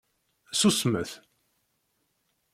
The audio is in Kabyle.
Susmet!